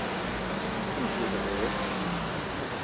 Ur t-bɣiɣ.